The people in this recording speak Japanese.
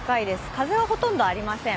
風はほとんどありません。